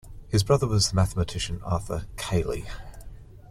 His brother was the mathematician Arthur Cayley.